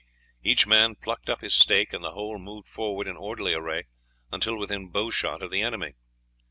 Each man plucked up his stake, and the whole moved forward in orderly array until within bow shot of the enemy.